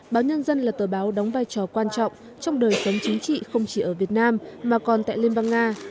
báo nhân dân là tờ báo đóng vai trò quan trọng trong đời sống chính trị không chỉ ở việt nam mà còn tại liên bang nga